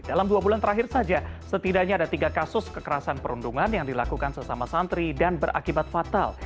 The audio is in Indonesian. dalam dua bulan terakhir saja setidaknya ada tiga kasus kekerasan perundungan yang dilakukan sesama santri dan berakibat fatal